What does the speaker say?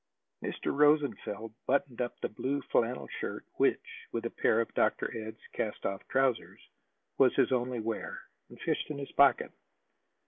Mr. Rosenfeld buttoned up the blue flannel shirt which, with a pair of Dr. Ed's cast off trousers, was his only wear; and fished in his pocket.